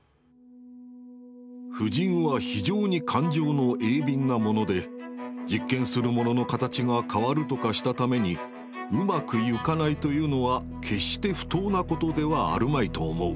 「婦人は非常に感情の鋭敏なもので実験する物の形が変るとかした為に上手く行かないと云うのは決して不当なことではあるまいと思う」。